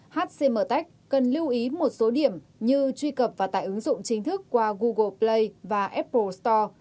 hcmec cần lưu ý một số điểm như truy cập và tải ứng dụng chính thức qua google play và apple store